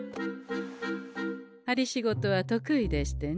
針仕事は得意でしてね。